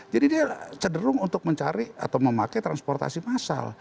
jadi dia cenderung untuk mencari atau memakai transportasi massal